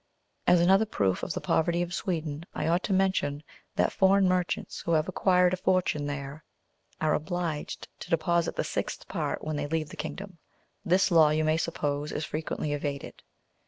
As another proof of the poverty of Sweden, I ought to mention that foreign merchants who have acquired a fortune there are obliged to deposit the sixth part when they leave the kingdom. This law, you may suppose, is frequently evaded.